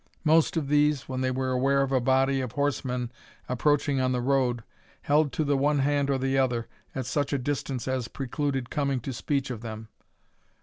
Most of these, when they were aware of a body of horsemen approaching on the road, held to the one hand or the other, at such a distance as precluded coming to speech of them.